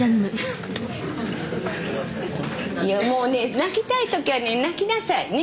いやもうね泣きたい時はね泣きなさいね。